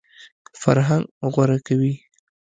فرهنګ غوره کوي.